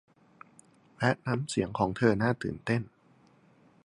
และน้ำเสียงของเธอน่าตื่นเต้น